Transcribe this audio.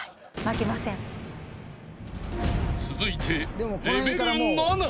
［続いて］